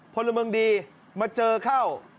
พลเมืองดีมาเจอเข้า